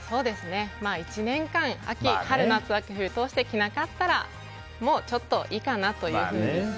１年間、春夏秋冬通して着なかったらもういいかなというふうに。